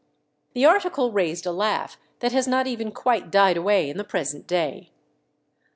The article raised a laugh that has not even quite died away in the present day.